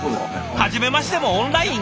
「はじめまして」もオンライン？